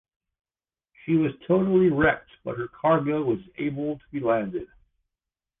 She was totally wrecked but her cargo was able to be landed.